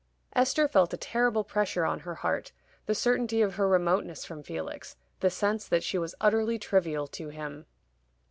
Esther felt a terrible pressure on her heart the certainty of her remoteness from Felix the sense that she was utterly trivial to him.